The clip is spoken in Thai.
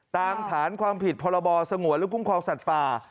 ตามฐานความผิดพรบสงวนและคุ้มครองสัตว์ป่า